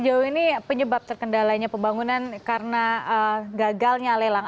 jauh ini penyebab terkendalainya pembangunan karena gagalnya lelang